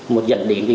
một dẫn đến